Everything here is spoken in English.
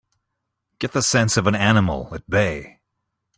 Get the sense of an animal at bay!